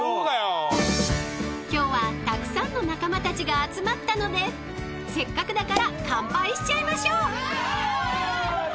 ［今日はたくさんの仲間たちが集まったのでせっかくだから乾杯しちゃいましょう］